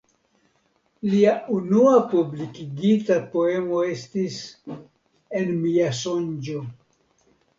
Lia unua publikigita poemo estis "En mia sonĝo".